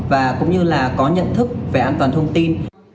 và cũng như là có nhận thức về an toàn thông tin